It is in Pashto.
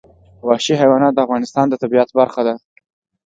وحشي حیوانات د افغانستان د طبیعت برخه ده.